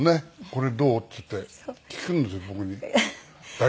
「これどう？」っていって聞くんですよ